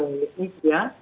dan juga bagi media